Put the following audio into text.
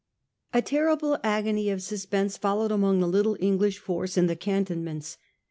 A terrible agony of suspense followed among the little English force in the cantonments.